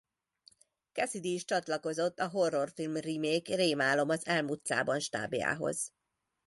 Cassidy is csatlakozott a horrorfilm-remake Rémálom az Elm utcában stábjához.